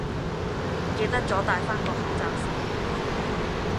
唔記得咗帶返個口罩先